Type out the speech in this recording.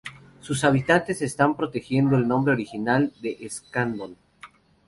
Sus habitantes están protegiendo el nombre original de Escandón.